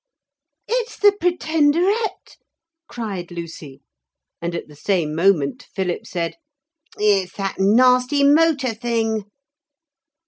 'It's the Pretenderette,' cried Lucy, and at the same moment Philip said, 'It's that nasty motor thing.'